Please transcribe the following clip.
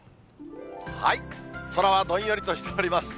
空はどんよりとしております。